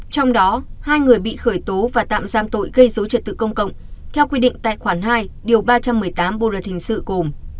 trong đó hai người bị khởi tố và tạm giam tội gây dối trật tự công cộng theo quy định tài khoản hai điều ba trăm một mươi tám bộ luật hình sự gồm